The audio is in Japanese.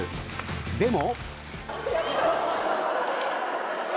でも。